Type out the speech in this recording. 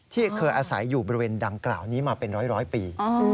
ที่เคยอาศัยอยู่บริเวณดังกล่าวนี้มาเป็นร้อยปี